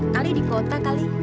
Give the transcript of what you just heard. kali di kota kali